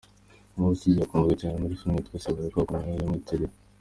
Muri iki gihe akunzwe cyane muri filime yitwa “Seburikoko” na yo yamwitiriwe.